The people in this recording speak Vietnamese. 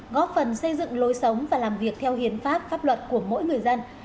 góp phần xây dựng lối sống và làm việc theo hiến pháp pháp luật của mỗi người dân